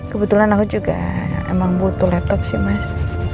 kebetulan aku juga emang butuh laptop sih mas